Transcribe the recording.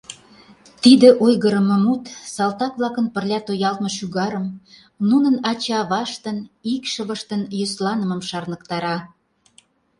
Тиде ойгырымо мут салтак-влакын пырля тоялтме шӱгарым, нунын ача-аваштын, икшывыштын йӧсланымым шарныктара...